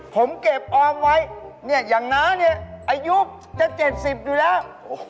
ผมเก็บออมไว้อย่างน้าอายุจะ๗๐อยู่แล้ว